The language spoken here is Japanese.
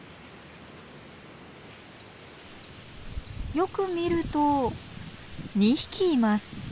よく見ると２匹います。